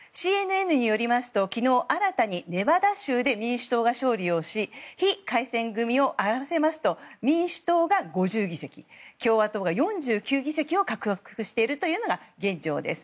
ＣＮＮによりますと昨日、新たにネバダ州で民主党が勝利をし非改選組を合わせますと民主党が５０議席共和党が４９議席を獲得しているというのが現状です。